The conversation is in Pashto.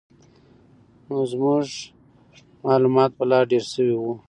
نو زموږ معلومات به لا ډېر شوي وو.